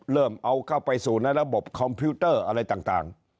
เริ่มเอาเข้าไปสู่ในระบบคอมพิวเตอร์อะไรต่าง